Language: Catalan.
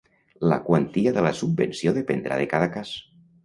La quantia de la subvenció dependrà de cada cas.